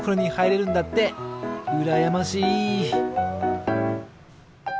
うらやましい。